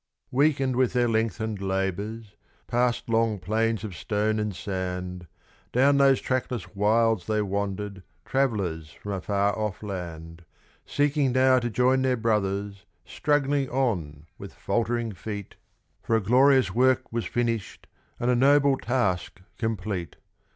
Weakened with their lengthened labours, past long plains of stone and sand, Down those trackless wilds they wandered, travellers from a far off land, Seeking now to join their brothers, struggling on with faltering feet, For a glorious work was finished, and a noble task complete.